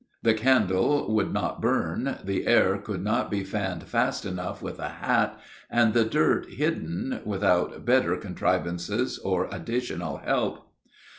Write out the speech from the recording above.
The candle would not burn, the air could not be fanned fast enough with a hat, and the dirt hidden, without better contrivances or additional help.